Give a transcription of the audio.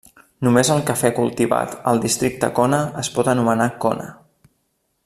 Només el cafè cultivat al districte Kona es pot anomenar Kona.